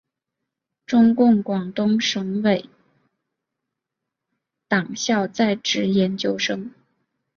中共广东省委党校在职研究生。